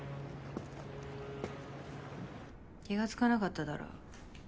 気が付かなかっただろ。